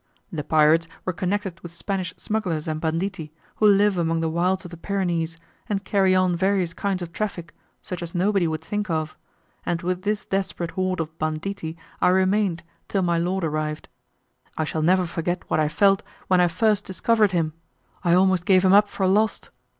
The pirates were connected with Spanish smugglers and banditti, who live among the wilds of the Pyrenees, and carry on various kinds of traffic, such as nobody would think of; and with this desperate horde of banditti I remained, till my lord arrived. I shall never forget what I felt, when I first discovered him—I almost gave him up for lost!